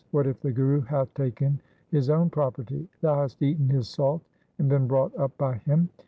What if the Guru hath taken his own property ? Thou hast eaten his salt and been brought up by him.